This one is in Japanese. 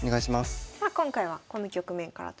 さあ今回はこの局面からということで。